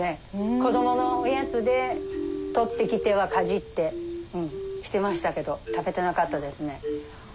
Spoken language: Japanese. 子どものおやつで採ってきてはかじってしてましたけど食べてなかったですね。